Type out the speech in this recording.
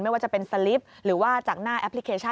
ไม่ว่าจะเป็นสลิปหรือว่าจากหน้าแอปพลิเคชัน